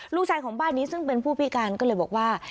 ลูกชายของบ้านนี้ซึ่งเป็นผู้พิการก็เลยบอกว่า